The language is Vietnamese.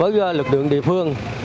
với lực lượng địa phương